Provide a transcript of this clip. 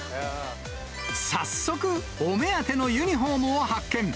早速、お目当てのユニホームを発見。